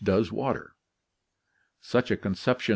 does water. Such a conception FlC.